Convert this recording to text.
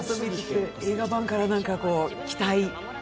映画版から期待。